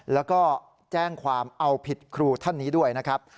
แล้วก็แจ้งความเอาผิดครูท่านนี้ด้วยนะครับ